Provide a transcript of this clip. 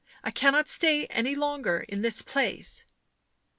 I cannot stay any longer in this place."